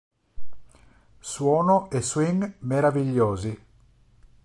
Suono e swing meravigliosi.